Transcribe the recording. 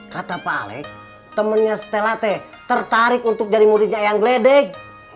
kata pak alef temennya stella teh tertarik untuk jadi muridnya ayang gledeg